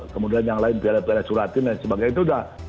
kemudian yang lain piala piala surat tim dan sebagainya itu sudah